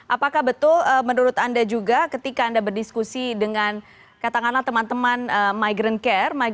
apakah betul menurut anda juga ketika anda berdiskusi dengan katakanlah teman teman migrant care